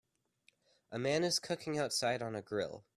A man is cooking outside on a grill.